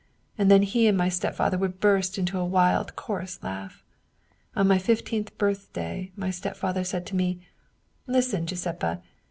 ' and then he and my stepfather would burst into a wild, coarse laugh. On my fifteenth birthday my stepfather said to me :' Listen, Giu seppa!